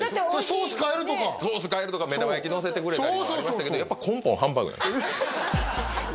ソース変えるとかソース変えるとか目玉焼きのせてくれたりもありましたけどやっぱ根本ハンバーグなんですね